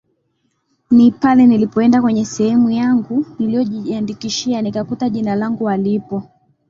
ni pale nilipoenda kwenye sehemu yangu niliojiandikishia nikakuta jina langu halipo